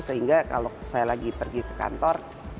sehingga kalau saya lagi pergi ke kantor ya bisa fokus lah